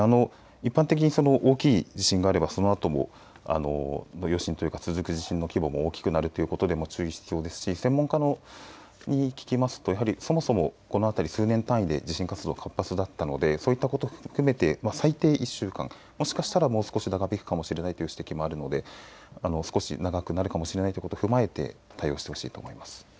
一般的に大きい地震があればそのあとも余震というか続く地震の規模も大きくなることで注意必要ですし専門家に聞きますとそもそも、この辺り数年単位で地震活動活発だったのでその辺り含めて最低１週間もしかしたらもう少し長引くかもしれないという指摘もあるので長くなるかもしれないということ踏まえて対応してほしいと思います。